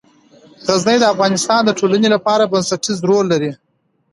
غزني د افغانستان د ټولنې لپاره بنسټيز رول لري.